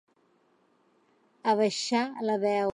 Abaixar la veu.